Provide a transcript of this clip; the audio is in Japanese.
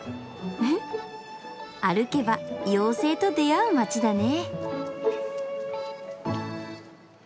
うふっ歩けば妖精と出会う街だね。